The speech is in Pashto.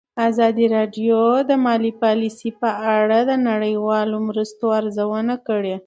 ازادي راډیو د مالي پالیسي په اړه د نړیوالو مرستو ارزونه کړې.